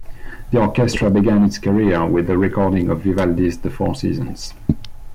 The orchestra began its career with a recording of Vivaldi's "The Four Seasons".